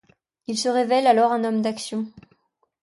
Il se révèle alors un homme d’action.